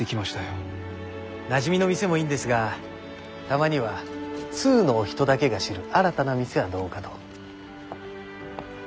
なじみの店もいいんですがたまには通のお人だけが知る新たな店はどうかと。